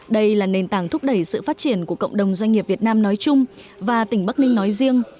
đây là nền tảng thúc đẩy sự phát triển của cộng đồng doanh nghiệp việt nam nói chung và tỉnh bắc ninh nói riêng